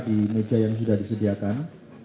di meja yang sudah disediakan